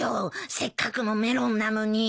せっかくのメロンなのに。